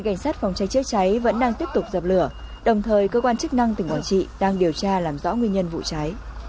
cảnh sát phòng cháy chữa cháy vẫn đang tiếp tục dập lửa đồng thời cơ quan chức năng tỉnh quảng trị đang điều tra làm rõ nguyên nhân vụ cháy